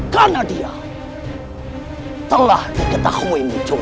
karena dia telah diketahui muncul